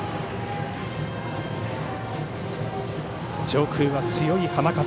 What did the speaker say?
上空は強い浜風。